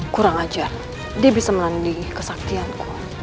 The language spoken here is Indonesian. kurang ajar dia bisa melandingi kesaktianku